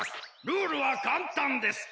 ルールはかんたんです。